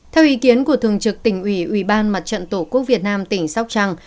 theo ý kiến của thường trực tỉnh ủy ủy ban mặt trận tổ quốc việt nam tỉnh sóc trăng